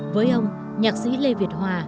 với ông nhạc sĩ lê việt hòa